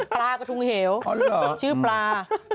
ปลากระทุงเหวชื่อปลา